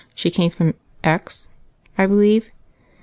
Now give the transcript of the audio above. She came from X, I believe?